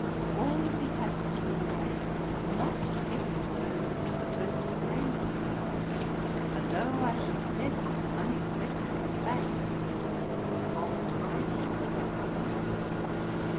All that he has to give away is not given to those who have the first claim to it. And though I have said that the money circulates back, it is a long time before that happens.